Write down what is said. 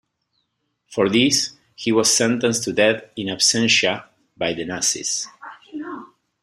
For this, he was sentenced to death "in absentia" by the Nazis.